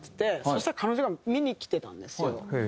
そしたら彼女が見に来てたんですよ。